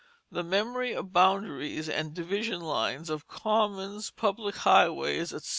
The memory of boundaries and division lines, of commons, public highways, etc.